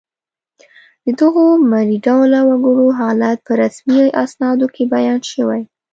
د دغو مري ډوله وګړو حالت په رسمي اسنادو کې بیان شوی